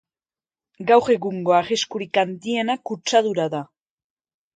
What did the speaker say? Gaur egungo arriskurik handiena kutsadura da.